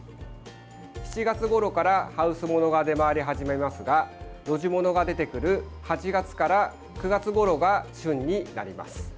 ７月ごろからハウスものが出回り始めますが露地ものが出てくる８月から９月ごろが旬になります。